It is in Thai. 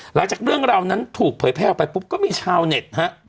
หลังจากเรื่องราวนั้นถูกเผยแพร่ออกไปปุ๊บก็มีชาวเน็ตฮะ